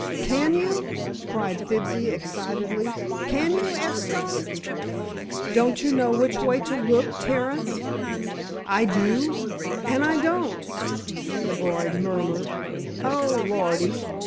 "Can you," cried Fibsy excitedly, "can you, F. Stone?" "Don't you know which way to look, Terence?" "I do—and I don't—" the boy murmured; "oh, lordy!